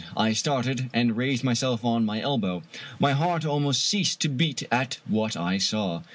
I started, and raised myself on my elbow. My heart almost ceased to beat at what I saw.